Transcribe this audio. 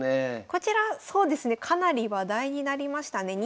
こちらそうですねかなり話題になりましたね。